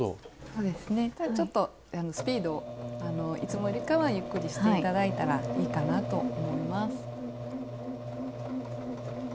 そうですねじゃあちょっとスピードをいつもよりかはゆっくりして頂いたらいいかなと思います。